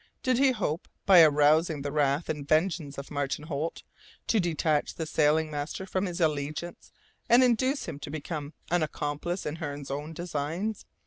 Did he hope, by arousing the wrath and vengeance of Martin Holt, to detach the sailing master from his allegiance and induce him to become an accomplice in Hearne's own designs?